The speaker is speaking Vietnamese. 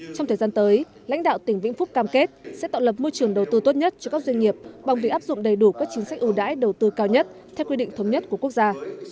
trong thời gian tới lãnh đạo tỉnh vĩnh phúc cam kết sẽ tạo lập môi trường đầu tư tốt nhất cho các doanh nghiệp bằng việc áp dụng đầy đủ các chính sách ưu đãi đầu tư cao nhất theo quy định thống nhất của quốc gia